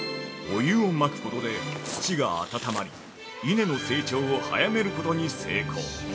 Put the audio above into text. お湯をまくことで土が温まり稲の成長を早めることに成功。